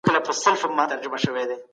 دا ليکنه باید په پښتو کي خپره کړل سي.